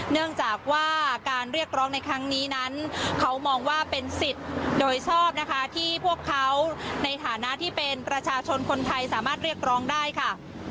เนื่องจากว่าการเรียกร้องในครั้งนี้นั้นเขามองว่าเป็นสิทธิ์โดยชอบนะคะที่พวกเขาในฐานะที่เป็นประชาชนคนไทยสามารถเรียกร้องได้ค่ะ